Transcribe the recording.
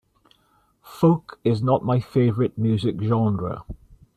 Folk is not my favorite music genre.